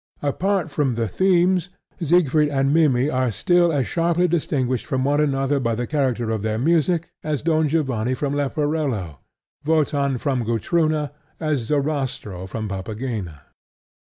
Apart from the themes, Siegfried and Mimmy are still as sharply distinguished from one another by the character of their music as Don Giovanni from Leporello, Wotan from Gutrune as Sarastro from Papagena.